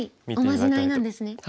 おまじないなんですね。